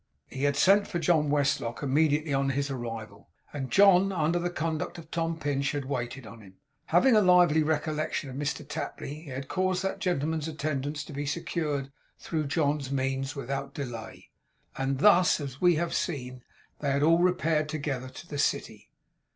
He had sent for John Westlock immediately on his arrival; and John, under the conduct of Tom Pinch, had waited on him. Having a lively recollection of Mr Tapley, he had caused that gentleman's attendance to be secured, through John's means, without delay; and thus, as we have seen, they had all repaired together to the City.